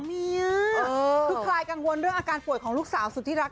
มันยังไงเนี่ย